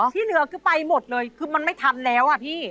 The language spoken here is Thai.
ที่เหลือคือไปหมดเลยคือมันไม่ทันแล้วอ่ะพี่